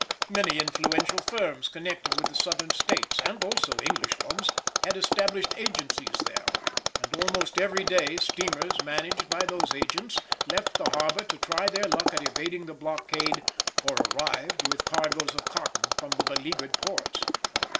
Many influential firms connected with the Southern States, and also English ones, had established agencies there, and almost every day steamers managed by those agents left the harbour to try their luck at evading the blockade or arrived with cargoes of cotton from the beleagured ports.